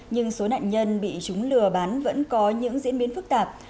nhưng số nạn nhân bị chúng lừa bán vẫn có những diễn biến phức tạp